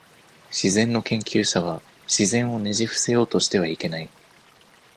自然の研究者は、自然をねじ伏せようとしてはいけない。